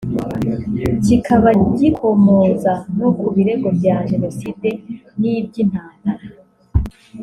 kikaba gikomoza no ku birego bya Jenoside n’ iby’ intambara